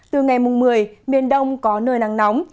từ ngày một mươi miền đông có nơi nắng nóng